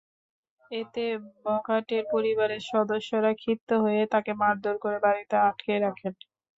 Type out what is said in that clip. এতে বখাটের পরিবারের সদস্যরা ক্ষিপ্ত হয়ে তাঁকে মারধর করে বাড়িতে আটকে রাখেন।